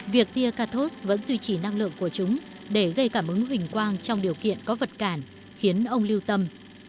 việc tia cathos vẫn duy trì năng lượng của chúng để gây cảm hứng hình quang trong điều kiện có vật cản khiến ông lưu tâm